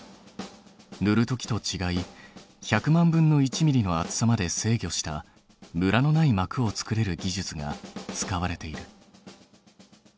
ぬるときとちがい１００万分の１ミリの厚さまで制御したムラのないまくを作れる技術が使われている。